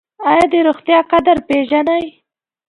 ایا د روغتیا قدر پیژنئ؟